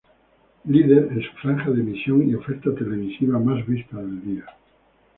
Líder en su franja de emisión y oferta televisiva más vista del día.